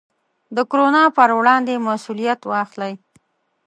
د کورونا پر وړاندې مسوولیت واخلئ.